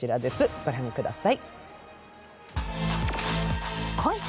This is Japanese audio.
ご覧ください。